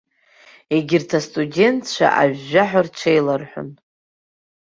Егьырҭ астудентцәа ажәжәаҳәа рҽеиларҳәон.